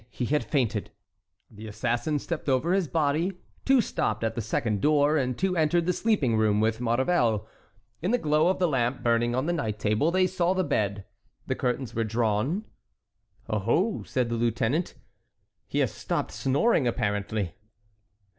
He had fainted. The assassins stepped over his body, two stopped at the second door, and two entered the sleeping room with Maurevel. In the glow of the lamp burning on the night table they saw the bed. The curtains were drawn. "Oh! oh!" said the lieutenant, "he has stopped snoring, apparently."